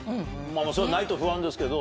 それはないと不安ですけど。